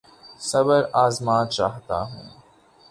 صبر آزما چاہتا ہوں